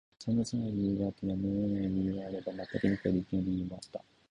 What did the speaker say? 様々な理由があった。やむにやまれない理由もあれば、全く理解できない理由もあった。